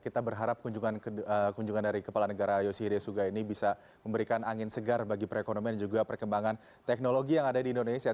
kita berharap kunjungan dari kepala negara yoshiria suga ini bisa memberikan angin segar bagi perekonomian dan juga perkembangan teknologi yang ada di indonesia